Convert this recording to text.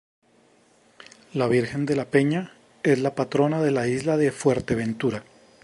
La Virgen de la Peña, es la Patrona de la isla de Fuerteventura.